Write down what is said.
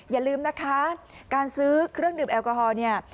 อย่าลืมนะคะการซื้อเครื่องดื่มแอลกอฮอล์เนี่ย